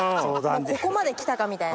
もうここまできたかみたいな。